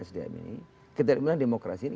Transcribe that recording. sdm ini kita bilang demokrasi ini